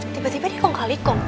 tiba tiba dia mengalirkan